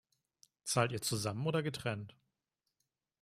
Zahlt ihr zusammen oder getrennt?